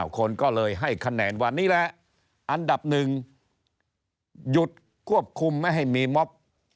คนก็เลยให้คะแนนว่านี่แหละอันดับหนึ่งหยุดควบคุมไม่ให้มีม็อบ